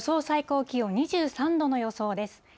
最高気温２３度の予想です。